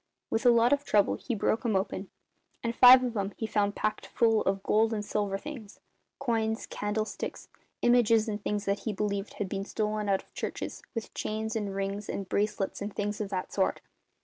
With a lot of trouble he broke 'em open, and five of 'em he found packed full of gold and silver things coins, candlesticks, images and things that he believed had been stolen out of churches, with chains and rings and bracelets and things of that sort.